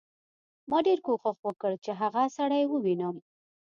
ما ډېر کوښښ وکړ چې هغه سړی ووینم